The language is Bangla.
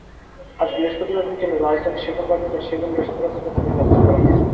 আজ বৃহস্পতিবার বিকেলে রাজধানীর সেগুনবাগিচার সেগুন রেস্তোরাঁ থেকে তাঁকে গ্রেপ্তার করা হয়।